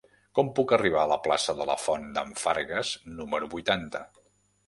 Com puc arribar a la plaça de la Font d'en Fargues número vuitanta?